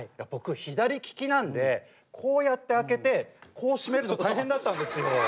僕左利きなんでこうやって開けてこう閉めるの大変だったんですよ。